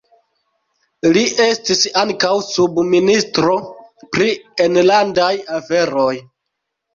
Li estis ankaŭ subministro pri enlandaj aferoj.